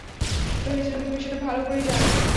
ভেবেছিলাম তুমি সেটা ভালো করেই জানো।